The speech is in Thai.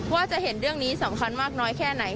ว่าจะเห็นเรื่องนี้สำคัญมากน้อยแค่ไหน